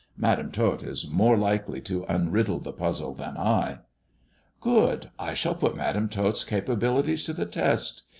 Madam Tot is more likely to unriddle the puzzle than I." " Good I I shall put Madam Tot*s capabilities to the test.